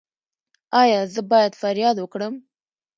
ایا زه باید فریاد وکړم؟